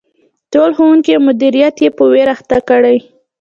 ټول ښوونکي او مدیریت یې په ویر اخته کړي.